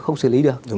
không xử lý được